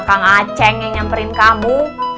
orang aceng yang nyamperin kamu